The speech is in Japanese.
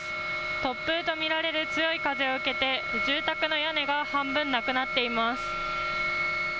突風と見られる強い風を受けて住宅の屋根が半分なくなっています。